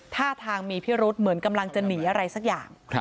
ท่าทางมีพิรุษเหมือนกำลังจะหนีอะไรสักอย่าง